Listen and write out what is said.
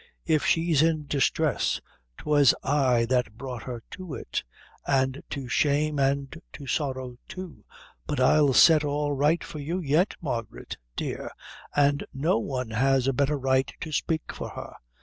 If she's in distress, 'twas I that brought her to it, an' to shame an' to sorrow too but I'll set all right for you yet, Margaret dear an' no one has a betther right to spake for her."